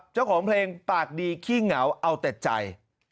เจ้าของเพลงปากดีขี้เหงาเอาแต่ใจ